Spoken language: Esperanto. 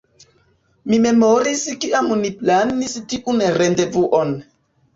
Mi memoris kiam ni planis tiun rendevuon